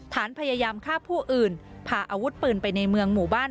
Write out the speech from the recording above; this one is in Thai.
ฐานพยายามฆ่าผู้อื่นพาอาวุธปืนไปในเมืองหมู่บ้าน